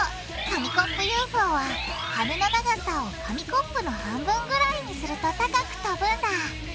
紙コップＵＦＯは羽の長さを紙コップの半分ぐらいにすると高く飛ぶんだ！